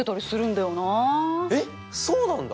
えっそうなんだ！